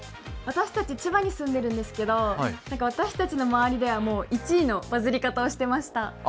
私たち千葉に住んでるんですけど、私たちの周りではもう１位のバズり方をしていました